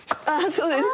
そうですか。